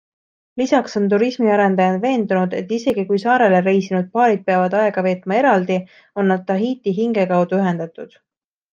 Lisaks on turismiarendajad veendunud, et isegi kui saarele reisinud paarid peavad aega veetma eraldi, on nad Tahiti hinge kaudu ühendatud.